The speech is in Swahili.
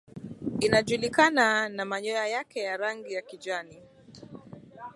inajulikana na manyoya yake ya rangi ya kijani